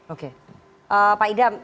oke pak idam